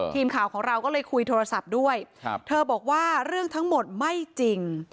ทีมข่าวของเราก็เลยคุยโทรศัพท์ด้วยเธอบอกว่าเรื่องทั้งหมดไม่จริง